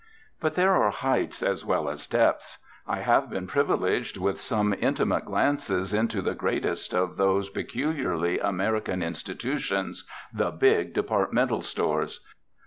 But there are heights as well as depths. I have been privileged with some intimate glances into the greatest of those peculiarly American institutions, the big departmental stores.